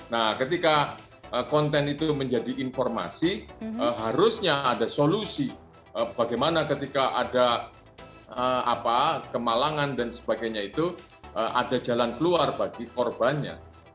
nah ketika konten itu menjadi informasi harusnya ada solusi bagaimana ketika ada kemalangan dan sebagainya itu ada jalan keluar bagi korbannya